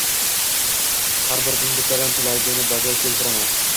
har biringning bittadan tilagingni bajo keltiraman.